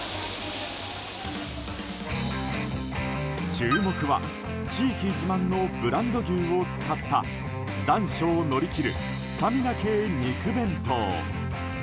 注目は地域自慢のブランド牛を使った残暑を乗り切るスタミナ系肉弁当。